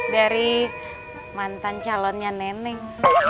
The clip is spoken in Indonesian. dari mantan calonnya neneng